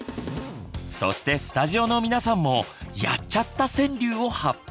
そしてスタジオの皆さんも「やっちゃった！」川柳を発表。